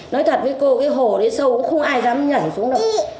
nói thật với cô cái hổ đấy sâu không ai dám nhảy xuống đâu